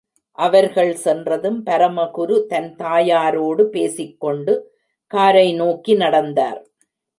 அவர்கள் சென்றதும், பரமகுரு தன் தாயாரோடு பேசிக் கொண்டு காரை நோக்கி நடத்தார்.